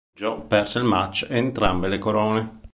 Joe perse il match ed entrambe le corone.